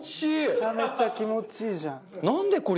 めちゃめちゃ気持ちいいじゃん。